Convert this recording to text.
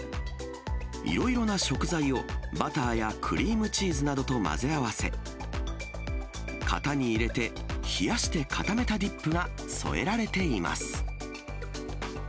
いろいろな食材をバターやクリームチーズなどと混ぜ合わせ、型に入れて冷やして固めたディップが添えられています。